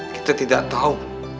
kita tidak tahu